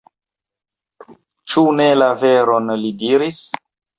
Ĉu ne la veron li diris?